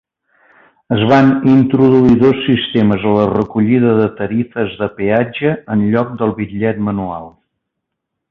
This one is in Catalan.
Es van introduir dos sistemes a la recollida de tarifes de peatge en lloc del bitllet manual.